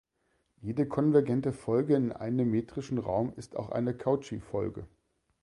Jede konvergente Folge in einem metrischen Raum ist auch eine Cauchy-Folge.